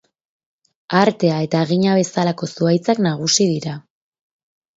Artea eta Hagina bezalako zuhaitzak nagusi dira.